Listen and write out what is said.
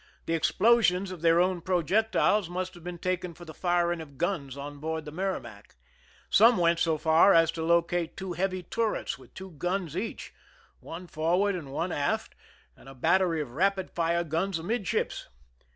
The explosions of their own pro jectiles must have been taken for the firing of guns on board the Merrimac. Some went so far as to locate two heavy turrets with two guns each, one forward and one aft, and a battery of rapid fire guns amidships.